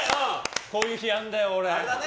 こういう日あるんだよ、俺。